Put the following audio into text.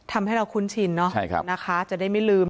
ทำให้เราคุ้นชินเนอะนะคะจะได้ไม่ลืม